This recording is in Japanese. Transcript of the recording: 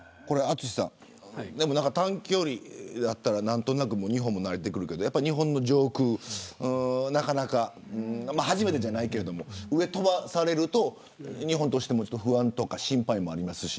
淳さん、短距離だったら日本も慣れてくるけど日本の上空初めてじゃないけれど上を飛ばされると日本としても不安とか心配もありますし。